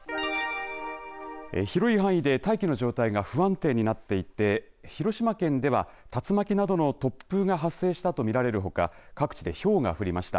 広い範囲で大気の状態が不安定になっていて広島県では竜巻などの突風が発生したと見られるほか各地でひょうが降りました。